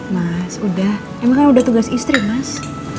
mas udah emang kan udah tugas istri mas